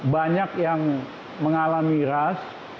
banyak yang mengalami ras